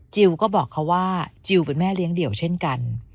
ก็บอกเขาว่าจิลเป็นแม่เลี้ยงเดี่ยวเช่นกัน